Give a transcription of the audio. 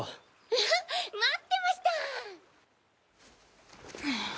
アハ待ってました！